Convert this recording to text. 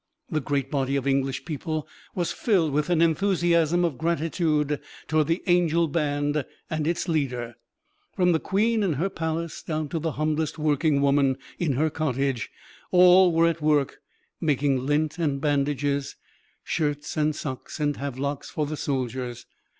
The great body of English people was filled with an enthusiasm of gratitude toward the "angel band" and its leader. From the Queen in her palace down to the humblest working women in her cottage, all were at work making lint and bandages, shirts and socks and havelocks for the soldiers.